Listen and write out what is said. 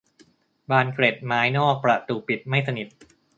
บานเกล็ดไม้นอกประตูปิดไม่สนิท